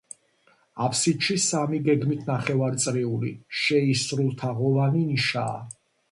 აფსიდში სამი გეგმით ნახევარწრიული, შეისრულთაღოვანი ნიშაა.